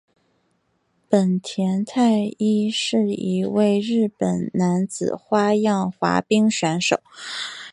本田太一是一位日本男子花样滑冰选手。